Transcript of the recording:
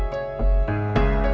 dan gunakan tombol subscribe